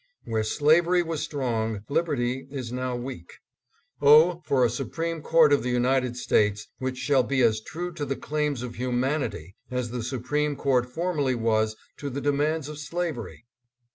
Where slavery was strong, liberty is now weak. Oh, for a Supreme Court of the United States which shall be as true to the claims of humanity as the Su preme Court formerly was to the demands of slavery